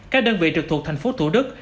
các đơn vị trực thuộc thành phố thủ đức